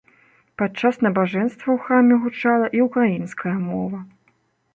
Падчас набажэнства ў храме гучала і ўкраінская мова.